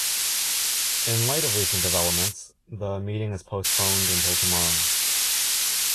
In light of recent developments, the meeting is postponed until tomorrow.